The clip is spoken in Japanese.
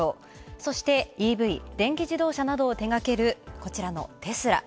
そして、ＥＶ＝電気自動車などを手がけるテスラ。